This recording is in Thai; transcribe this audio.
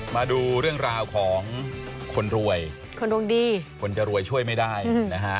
มาดูเรื่องราวของคนรวยคนดวงดีคนจะรวยช่วยไม่ได้นะฮะ